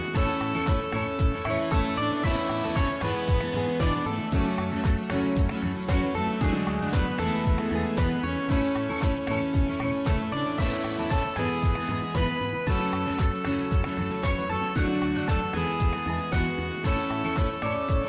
สวัสดีครับ